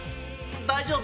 大丈夫。